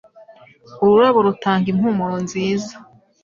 Ururabo rutanga impumuro nziza